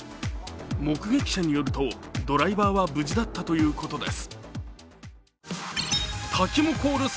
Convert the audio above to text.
目撃者によると、ドライバーは無事だったということです。